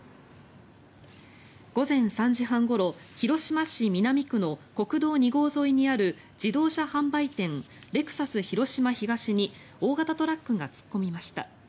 午前３時半ごろ広島市南区の国道２号沿いにある自動車販売店、レクサス広島東に大型トラックが突っ込みました。